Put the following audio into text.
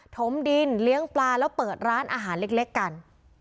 ถมดินเลี้ยงปลาแล้วเปิดร้านอาหารเล็กกัน